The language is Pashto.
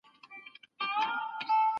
که څېړونکی هڅه وکړي، نو پايله ښه کېږي.